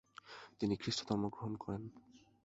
তিনি খ্রিস্টধর্ম গ্রহণ করেন।